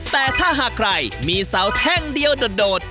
แต่ถ้าหากใครมีเสาแท่งเดียวโดด